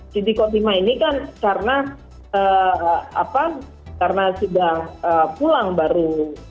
siti kotimah ini kan karena sudah pulang baru